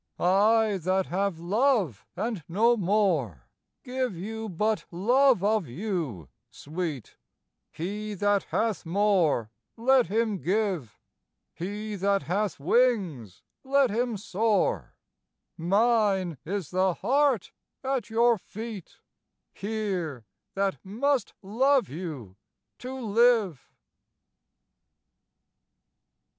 I that have love and no more Give you but love of you, sweet: He that hath more, let him give; He that hath wings, let him soar; Mine is the heart at your feet Here, that must love you to live.